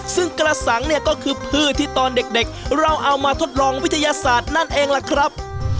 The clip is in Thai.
ซึ่งกระสังเนี่ยก็คือพืชที่ตอนเด็กเราเอามาทดลองวิทยาศาสตร์นั่นเองล่ะครับ